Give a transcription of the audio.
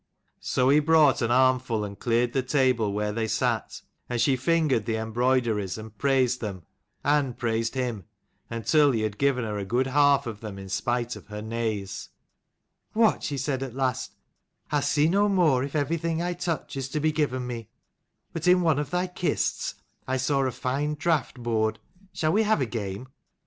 So he brought an armful and cleared the table where they sat, and she fingered the em broideries and praised them, and praised him, until he had given her a good half of them in spite of her nays. " What," she said at last, " I'll see no more if everything I touch is to be given me. But in one of thy kists, I saw a fine draught board. Shall we have a game ?" 162 CHAPTER XXVIII. WHITE ROSE AND RED.